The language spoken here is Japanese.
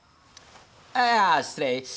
あ失礼。